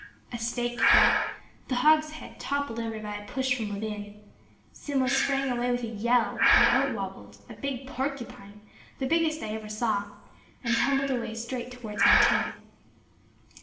A stake fell; the hogshead toppled over by a push from within; Simmo sprang away with a yell; and out wobbled a big porcupine, the biggest I ever saw, and tumbled away straight towards my tent.